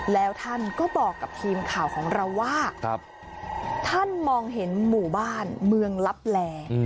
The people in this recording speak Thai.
แล้วท่านก็บอกกับทีมข่าวของเราว่าท่านมองเห็นหมู่บ้านเมืองลับแล